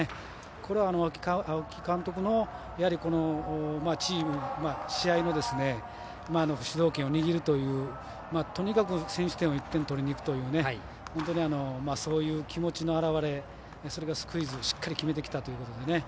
これは、青木監督の試合の主導権を握るというとにかく先取点を１点取りにいくというそういう気持ちの表れしっかり決めてきたというふうに。